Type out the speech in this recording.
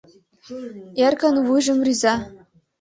Эркын вуйжым рӱза.